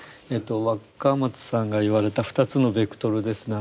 若松さんが言われた２つのベクトルですね。